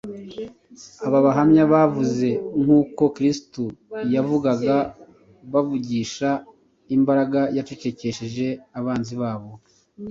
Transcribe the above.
aba bahamya bavuze nk’uko Kristo yavugaga bavugisha imbaraga yacecekesheje abanzi babo.